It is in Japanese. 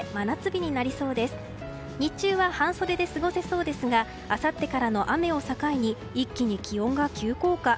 日中は半袖で過ごせそうですがあさっての雨を境に一気に気温が急降下。